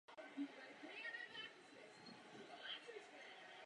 Žánrově se tyto romány různí.